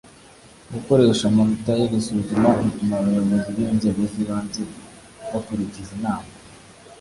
Gukoresha amanota y iri suzuma bituma abayobozi b inzego z ibanze bakurikiza inama